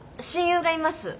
親友がいます。